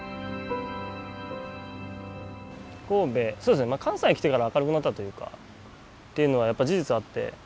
神戸そうですね関西来てから明るくなったというか。っていうのは事実あって。